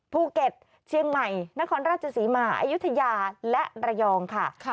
ภูเก็ตเชียงใหม่นครราชศรีมาอายุทยาและระยองค่ะ